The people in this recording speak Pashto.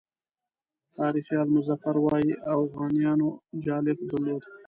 تاریخ آل مظفر وایي اوغانیانو جالغ درلود.